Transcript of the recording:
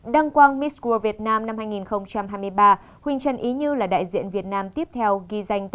đăng quang miss world việt nam năm hai nghìn hai mươi ba huynh trân ý như là đại diện việt nam tiếp theo ghi danh